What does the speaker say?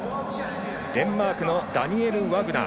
デンマークのダニエル・ワグナー。